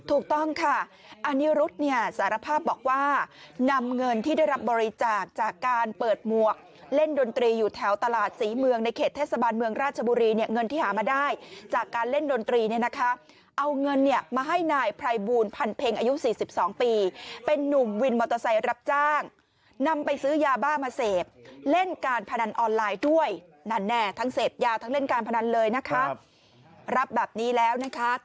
ถูกต้องค่ะอนิรุธเนี่ยสารภาพบอกว่านำเงินที่ได้รับบริจาคจากการเปิดหมวกเล่นดนตรีอยู่แถวตลาดสีเมืองในเขตเทศบาลเมืองราชบุรีเนี่ยเงินที่หามาได้จากการเล่นดนตรีเนี่ยนะคะเอาเงินเนี่ยมาให้นายพรายบูลพันเพ็งอายุ๔๒ปีเป็นนุ่มวินมอเตอร์ไซรับจ้างนำไปซื้อยาบ้ามาเสพเล่นการพนันออนไลน์